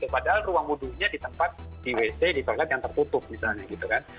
padahal ruang wudhunya di tempat di wc di toilet yang tertutup misalnya